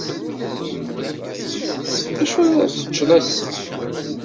Acu ara teččeḍ ass-a?